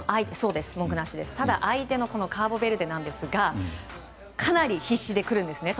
ただ、相手のカーボベルデなんですが当然かなり必死で来るんですね。